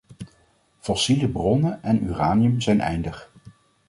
Fossiele bronnen en uranium zijn eindig.